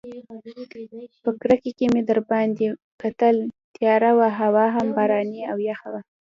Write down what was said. په کړکۍ کې مې دباندې کتل، تیاره وه هوا هم باراني او یخه وه.